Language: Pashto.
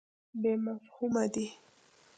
بې مفهومه دی.